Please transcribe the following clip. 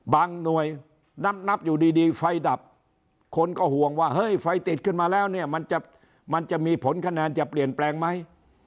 หน่วยนับอยู่ดีไฟดับคนก็ห่วงว่าเฮ้ยไฟติดขึ้นมาแล้วเนี่ยมันจะมีผลคะแนนจะเปลี่ยนแปลงไหม